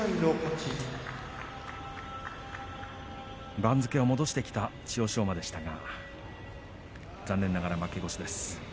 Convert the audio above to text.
番付を戻してきた千代翔馬でしたが、残念ながら負け越しです。